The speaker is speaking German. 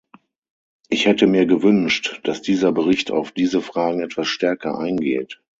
Ich hätte mir gewünscht, dass dieser Bericht auf diese Fragen etwas stärker eingeht.